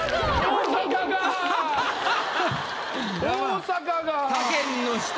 大阪が。